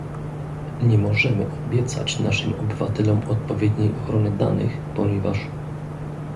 Nie możemy obiecać naszym obywatelom odpowiedniej ochrony danych, ponieważ